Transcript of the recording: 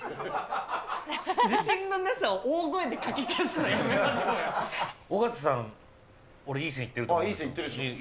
自信のなさを大声でかき消す尾形さん、俺、いい線いってるでしょ。